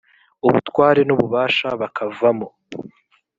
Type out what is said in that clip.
ubutware n’ububasha bakavamo